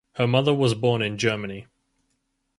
Her mother was born in Germany.